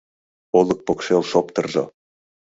Олык покшел шоптыржо